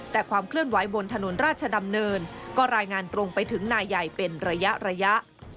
แต่ความเคลื่อนไหวบนถนนราชดำเนินก็รายงานตรงไปถึงนายใหญ่เป็นระยะ